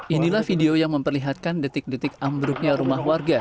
inilah video yang memperlihatkan detik detik ambruknya rumah warga